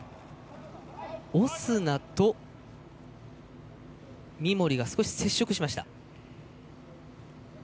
オスナと三森、少し接触しました。